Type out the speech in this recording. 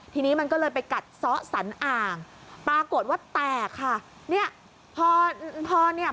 ทีนี้มันก็เลยไปกัดซ้อสันอ่างปรากฏว่าแตกค่ะ